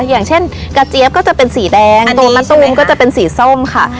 อย่างเช่นกระเจี๊ยบก็จะเป็นสีแดงตัวมะตูมก็จะเป็นสีส้มค่ะ